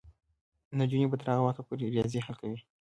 نجونې به تر هغه وخته پورې ریاضي حل کوي.